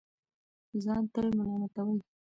ځان تل ملامتوي